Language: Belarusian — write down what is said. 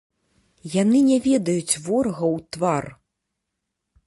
Яны не ведаюць ворага ў твар.